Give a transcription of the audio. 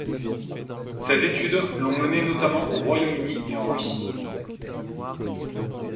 Ses études l'ont mené notamment au Royaume-Uni et en Russie.